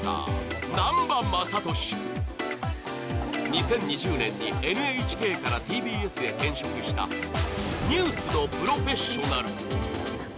２０２０年にＮＨＫからＴＢＳへ転職したニュースのプロフェッショナル。